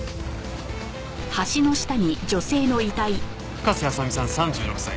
深瀬麻未さん３６歳。